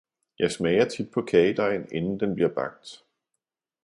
Jeg smager tit på kagedejen, inden den bliver bagt.